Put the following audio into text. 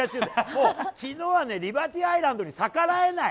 もうきのうはね、リバティアイランドに逆らえない。